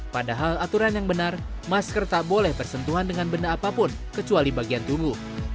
padahal aturan yang benar masker tak boleh bersentuhan dengan benda apapun kecuali bagian tubuh